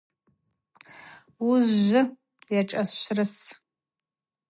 Уыжвжвы йашӏашврыс.